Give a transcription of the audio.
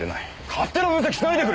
勝手な分析しないでくれ！